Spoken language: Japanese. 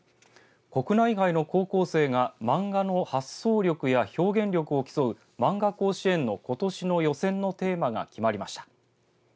国内外の高校生が漫画の発想力や表現力を競う、まんが甲子園のことしの予選のテーマが決まりました。